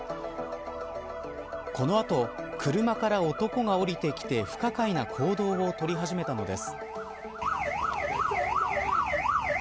この後、車から男が降りてきて不可解な行動を取り始めたのです。